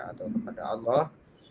atau kepada allah